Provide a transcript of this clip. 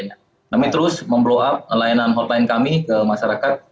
kami terus memblow up layanan hotline kami ke masyarakat